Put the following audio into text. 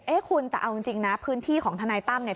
คุณแต่เอาจริงนะพื้นที่ของทนายตั้มเนี่ย